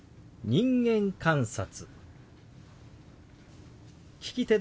「人間観察」。